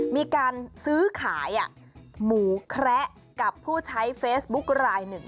มีการซื้อขายหมูแคระกับผู้ใช้เฟซบุ๊กรายหนึ่ง